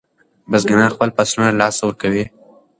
بزګران خپل فصلونه له لاسه ورکوي.